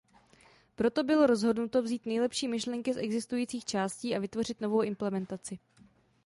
Proto bylo rozhodnuto vzít nejlepší myšlenky z existujících částí a vytvořit novou implementaci.